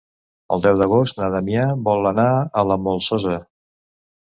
El deu d'agost na Damià vol anar a la Molsosa.